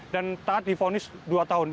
dan taat difonis dua tahun